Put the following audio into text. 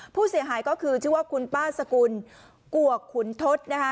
ผู้เสียหายก็คือชื่อว่าคุณป้าสกุลกวกขุนทศนะคะ